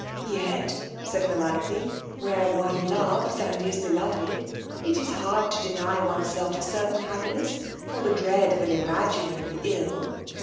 Yet, said Melanthe, where one loves, and is beloved, it is hard to deny oneself a certain happiness for the dread of an imaginary ill.